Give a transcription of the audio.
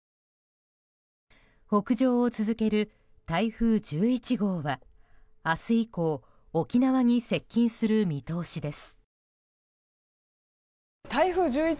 北上を続ける台風１１号は明日以降沖縄に接近する見通しです。